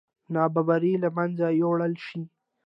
نابرابرۍ له منځه یوړل شي.